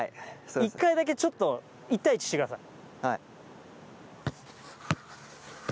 １回だけ、ちょっと１対１してください。